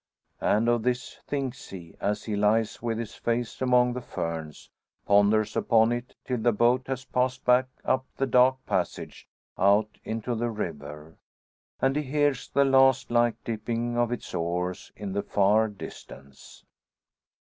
And of this thinks he, as he lies with his face among the ferns; ponders upon it till the boat has passed back up the dark passage out into the river, and he hears the last light dipping of its oars in the far distance.